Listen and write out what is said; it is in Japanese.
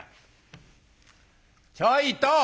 ちょいと。